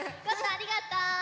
ありがとう！